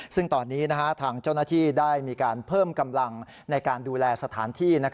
ซึ่งตอนนี้ทางเจ้าหน้าที่ได้มีการเพิ่มกำลังในการดูแลสถานที่